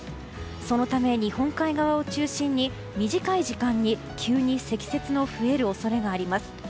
そのため、日本海側を中心に短い時間に急に積雪の増える恐れがあります。